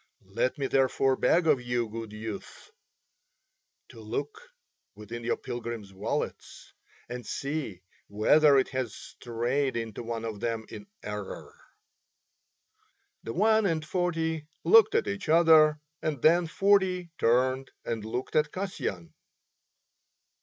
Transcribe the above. Let me therefore beg of you, good youths, to look within your pilgrims' wallets and see whether it has strayed into one of them in error." The one and forty looked at each other, and then forty turned and looked at Kasyan.